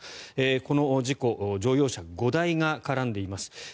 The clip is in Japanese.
この事故乗用車５台が絡んでいます。